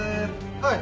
はい。